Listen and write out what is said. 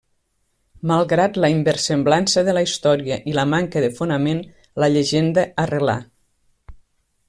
Malgrat la inversemblança de la història i la manca de fonament, la llegenda arrelà.